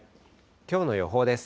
きょうの予報です。